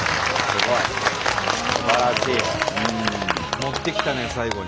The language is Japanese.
持ってきたね最後に。